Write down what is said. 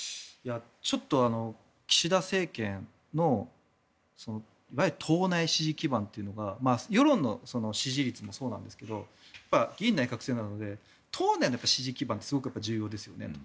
ちょっと岸田政権の党内支持基盤というのが世論の支持率もそうなんですが議院内閣制なので党内の支持基盤ってすごく重要ですよねと。